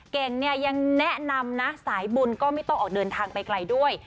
เก่งเนี่ยยังแนะนำนะสายบุญก็ไม่ต้องออกเดินทางไปไกลด้วย